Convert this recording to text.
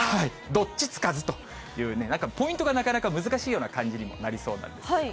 どっちつかずというね、なんかポイントがなかなか難しいような感じにもなりそうなんです。